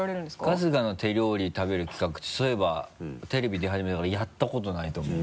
春日の手料理食べる企画ってそういえばテレビで初めてだからやったことないと思う。